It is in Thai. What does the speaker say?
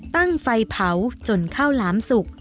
ตั้งไฟเผาจนข้าวหลามสุก